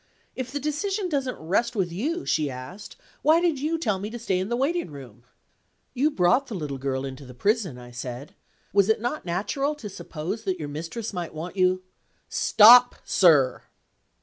"If the decision doesn't rest with you," she asked, "why did you tell me to stay in the waiting room?" "You brought the little girl into the prison," I said; "was it not natural to suppose that your mistress might want you " "Stop, sir!"